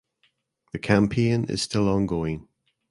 The campaign is still ongoing.